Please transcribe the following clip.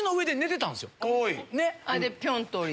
でピョン！